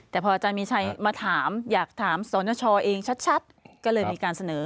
แต่พออาจารย์มีชัยมาถามอยากถามสนชเองชัดก็เลยมีการเสนอ